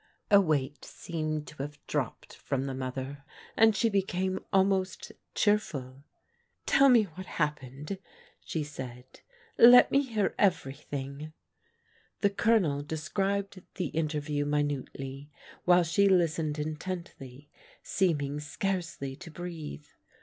A weight seemed to have dropped from the mother, and she became almost cheerful. " Tell me what hap pened," she said. " Let me hear everything." The Colonel described the interview minutely, while she listened intently, seeming scarcely to breathe.